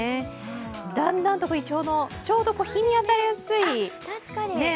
だんだんといちょうの、ちょうど日に当たりやすい、ね。